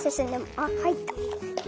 あはいった。